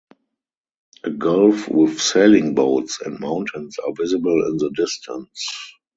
A gulf with sailing boats and mountains are visible in the distance.